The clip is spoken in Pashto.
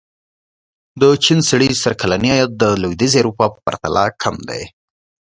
د چین سړي سر کلنی عاید د لوېدیځې اروپا په پرتله کم دی.